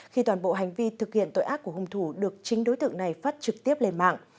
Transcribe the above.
khi toàn bộ hành vi thực hiện tội ác của hung thủ được chính đối tượng này phát trực tiếp lên mạng